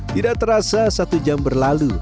tidak terasa satu jam berlalu